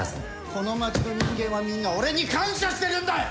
この町の人間はみんな俺に感謝してるんだよ！